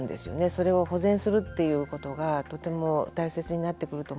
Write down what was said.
それを保全するということがとても大切になってくると